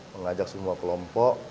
mengajak semua kelompok